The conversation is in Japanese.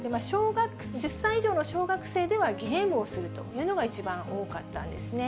１０歳以上の小学生では、ゲームをするというのが一番多かったんですね。